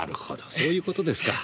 そういう事ですか。